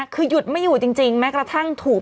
คือหยุดไม่อยู่จริงแม้กระทั่งถูก